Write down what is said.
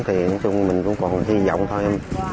thì mình cũng còn hy vọng thôi